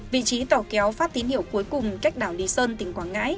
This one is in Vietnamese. vị trí tàu kéo phát tín hiệu cuối cùng cách đảo lý sơn tỉnh quảng ngãi